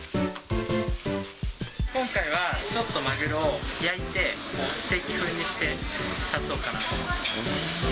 今回はちょっとマグロを焼いて、ステーキ風にして出そうかなと思ってます。